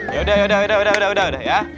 yaudah yaudah yaudah